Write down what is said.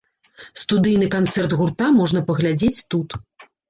Студыйны канцэрт гурта можна паглядзець тут.